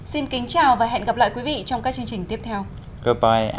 xin kính chào và hẹn gặp lại trong các chương trình tiếp theo